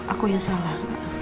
aku yang salah